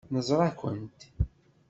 Neẓra-kent.